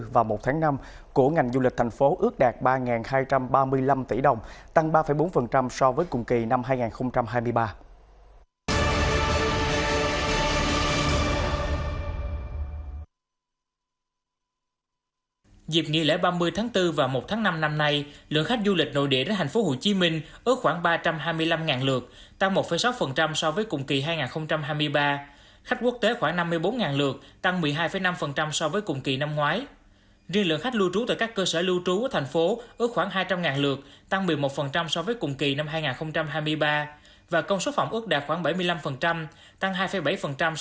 và công số phòng ước đạt khoảng bảy mươi năm tăng hai bảy so với cùng kỳ hai nghìn hai mươi ba